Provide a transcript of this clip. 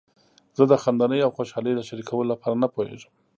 زه د خندنۍ او خوشحالۍ د شریکولو لپاره نه پوهیږم.